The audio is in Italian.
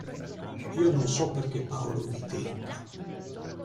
Io non so perché Paolo vi tenga.